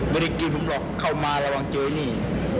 ไม่ได้กินผมหรอกเข้ามาระวังเจอนี่